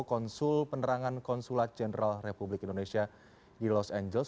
konsul penerangan konsulat jenderal republik indonesia di los angeles